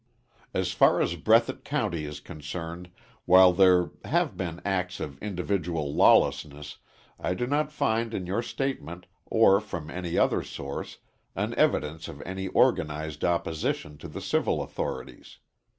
As far as Breathitt County is concerned, while there have been acts of individual lawlessness, I do not find in your statement, or from any other source, an evidence of any organized opposition to the civil authorities.